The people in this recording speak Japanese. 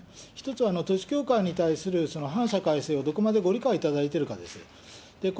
１つは統一教会に対する反社会性をどこまでご理解いただいているかです。